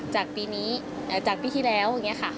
จากปีที่แล้ว